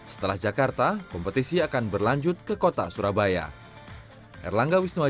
setelah jakarta kompetisi akan berlanjut ke kota surabaya